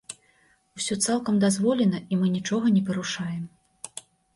Усё цалкам дазволена і мы нічога не парушаем.